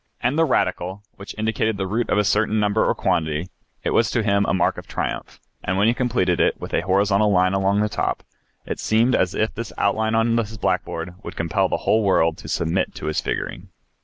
And the v , which indicated the root of a certain number or quantity, it was to him a mark of triumph, and when he completed it with a horizontal line in this v , it seemed as if this outline on his blackboard would compel the whole world to submit to his figuring.